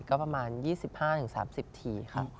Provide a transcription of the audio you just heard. ก็ประมาณ๒๕๓๐ทีค่ะ